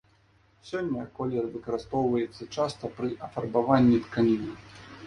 Сёння колер выкарыстоўваецца часта пры афарбаванні тканіны.